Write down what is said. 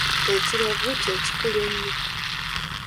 Ekirevu kye kikulu nnyo.